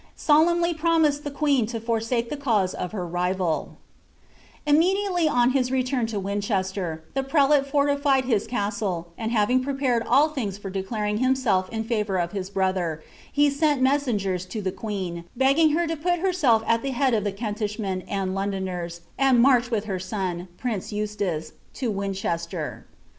solemnly ptomised the queen to forsake the cause of lirr tinL Immediately on his relurn to Winchester, the preUle foni£rd Ui rasile, and having prepared all thinga for declaring hinisidf in farimr rf his brother, he sent messengers to the queen, begging her to put hmdS at the head of the Kentishmen and Londoners, and march with hrt toe, prince Eustace, to Winchester.'